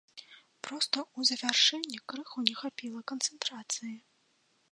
Проста ў завяршэнні крыху не хапіла канцэнтрацыі.